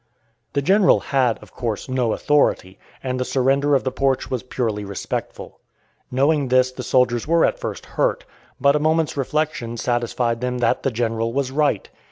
The General had, of course, no authority, and the surrender of the porch was purely respectful. Knowing this the soldiers were at first hurt, but a moment's reflection satisfied them that the General was right.